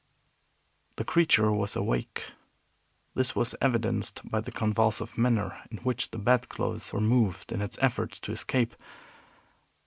The creature was awake. This was evidenced by the convulsive manner in which the bedclothes were moved in its efforts to escape.